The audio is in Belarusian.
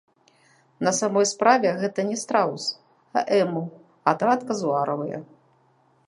На самой справе, гэта не страус, а эму, атрад казуаравыя.